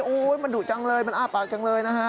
โอ้โหมันดุจังเลยมันอ้าปากจังเลยนะฮะ